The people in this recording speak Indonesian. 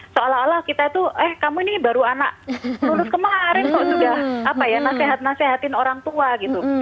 seolah olah kita tuh eh kamu ini baru anak lulus kemarin kok sudah apa ya nasihat nasihatin orang tua gitu